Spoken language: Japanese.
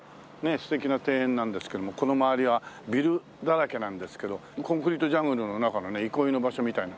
素敵な庭園なんですけどもこの周りはビルだらけなんですけどコンクリートジャングルの中の憩いの場所みたいな。